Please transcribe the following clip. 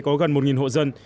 có gần một hộ dân